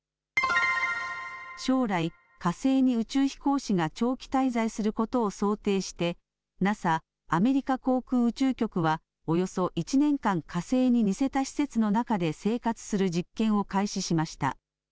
将来、火星に宇宙飛行士が長期滞在することを想定して、ＮＡＳＡ・アメリカ航空宇宙局はおよそ１年間、火星に似せた施設の中で生活する実験を開始しました。